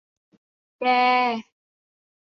แก